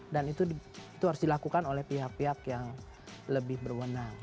dan itu harus dilakukan oleh pihak pihak yang lebih berwenang